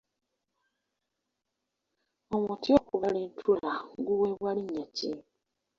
Omuti okubala entula guweebwa linnya ki?